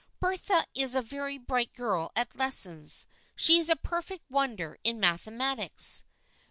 " Bertha is a very bright girl at lessons. She is a perfect wonder in mathe matics."